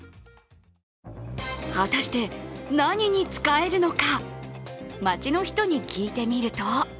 果たして何に使えるのか？